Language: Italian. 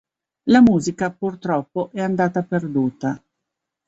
La musica, purtroppo, è andata perduta.